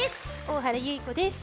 大原ゆい子です！